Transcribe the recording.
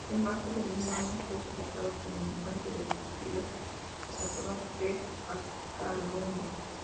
En marzo del mismo año fue expulsado como militante del partido Plataforma per Catalunya.